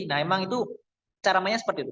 nah memang itu cara namanya seperti itu